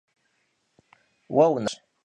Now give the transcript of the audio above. Vue vunexhıju si guğaş.